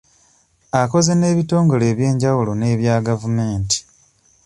Akoze n'ebitongole eby'enjawulo n'ebya gavumenti.